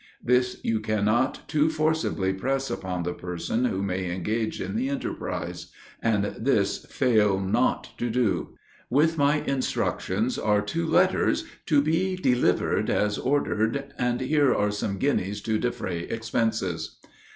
This you can not too forcibly press upon the person who may engage in the enterprise; and this fail not to do. With my instructions, are two letters, to be delivered as ordered, and here are some guineas to defray expenses."